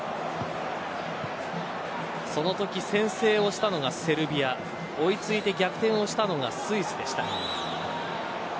そのとき先制をしたのがセルビア追い付いて逆転をしたのがスイスでした。